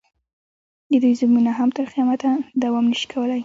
د دوی ظلمونه هم تر قیامته دوام نه شي کولی.